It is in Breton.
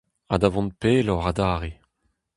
Ha da vont pelloc'h adarre.